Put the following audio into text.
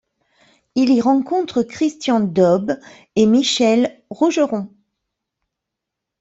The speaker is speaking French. Il y rencontre Christian Dob et Michel Rougeron.